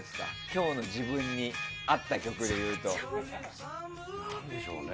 今日の自分で合った曲で言うと。